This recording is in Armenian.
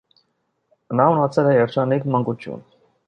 Նա ունեցել է երջանիկ մանկություն։